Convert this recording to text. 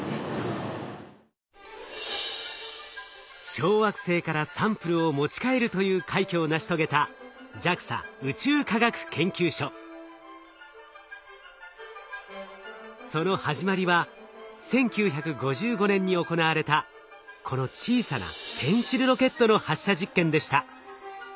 小惑星からサンプルを持ち帰るという快挙を成し遂げたその始まりは１９５５年に行われたこの小さなペンシルロケットの発射実験でした。